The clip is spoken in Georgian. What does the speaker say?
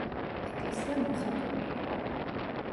ეკლესია მოხატული იყო.